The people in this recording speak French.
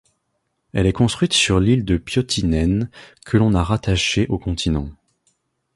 Elle est construite sur l'île de Pyötinen que l'on a rattachée au continent.